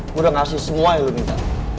gue udah ngasih semua yang lo minta